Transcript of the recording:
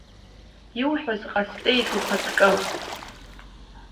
Иуҳәаз ҟасҵеит, ухаҵкы…